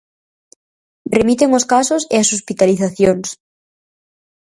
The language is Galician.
Remiten os casos e as hospitalizacións.